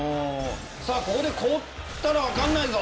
さあここでこおったらわかんないぞ。